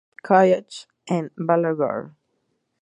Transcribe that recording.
Joseph College, en Bangalore.